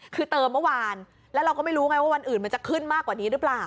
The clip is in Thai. คือเติมเมื่อวานแล้วเราก็ไม่รู้ไงว่าวันอื่นมันจะขึ้นมากกว่านี้หรือเปล่า